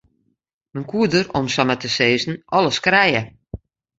Men koe der om samar te sizzen alles krije.